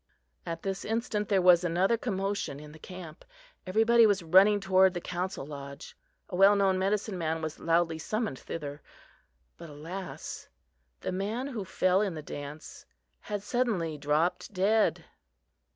At this instant there was another commotion in the camp. Everybody was running toward the council lodge. A well known medicine man was loudly summoned thither. But, alas! the man who fell in the dance had suddenly dropped dead.